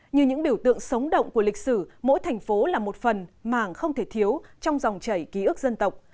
như những biểu tượng sống động của lịch sử mỗi thành phố là một phần màng không thể thiếu trong dòng chảy ký ức dân tộc